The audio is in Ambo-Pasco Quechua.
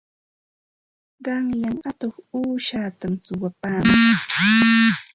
Qanyan atuq uushatam suwapaamash.